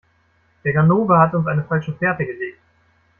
Der Ganove hat uns eine falsche Fährte gelegt.